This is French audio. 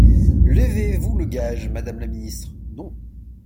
Levez-vous le gage, madame la ministre ? Non.